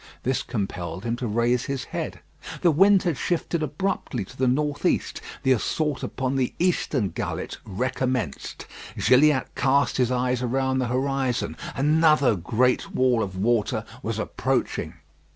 This compelled him to raise his head. The wind had shifted abruptly to the north east. The assault upon the eastern gullet recommenced. Gilliatt cast his eyes around the horizon. Another great wall of water was approaching.